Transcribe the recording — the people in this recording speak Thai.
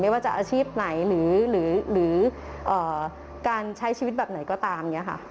ว่าจะอาชีพไหนหรือการใช้ชีวิตแบบไหนก็ตาม